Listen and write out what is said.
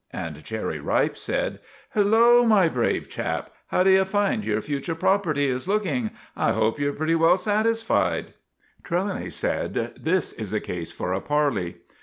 And Cherry Ripe said— "Hullo, my brave chap, how d'you find your future property is looking? I hope you're pretty well satisfied?" Trelawny said— "This is a case for a parley."